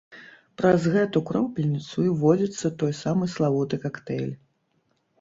Праз гэту кропельніцу і ўводзіцца той самы славуты кактэйль.